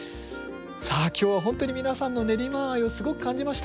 さあ今日は本当に皆さんの練馬愛をすごく感じました。